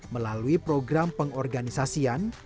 melalui program pengorganisasian